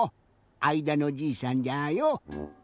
あいだのじいさんじゃよ。